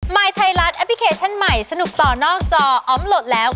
ยไทยรัฐแอปพลิเคชันใหม่สนุกต่อนอกจออมโหลดแล้ว